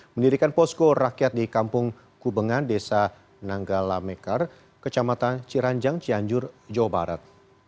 mendirikan posko rakyat di kampung kubengan desa nanggala mekar kecamatan ciranjang cianjur jawa barat